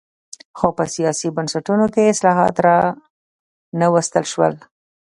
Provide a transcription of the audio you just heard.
خو په سیاسي بنسټونو کې اصلاحات را نه وستل شول.